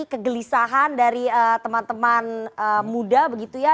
kegelisahan dari teman teman muda begitu ya